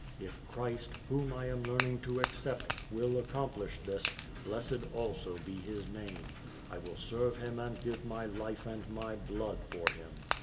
If Christ, whom I am learning to accept, will accomplish this, blessed also be Tlis name. I will serve Him and give my life and my blood for Him.